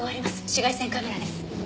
紫外線カメラです。